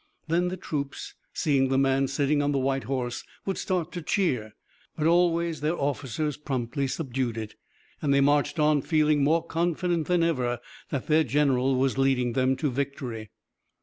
Then the troops, seeing the man sitting on the white horse, would start to cheer, but always their officers promptly subdued it, and they marched on feeling more confident than ever that their general was leading them to victory.